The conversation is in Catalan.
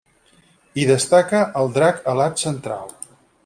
Hi destaca el drac alat central.